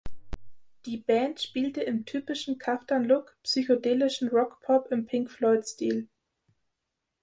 Die Band spielte im typischen Kaftan-Look psychedelischen Rock-Pop im Pink-Floyd-Stil.